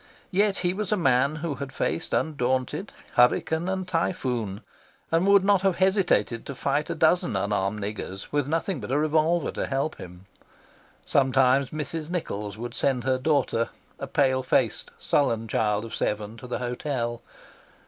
Yet he was a man who had faced undaunted hurricane and typhoon, and would not have hesitated to fight a dozen unarmed niggers with nothing but a revolver to help him. Sometimes Mrs. Nichols would send her daughter, a pale faced, sullen child of seven, to the hotel.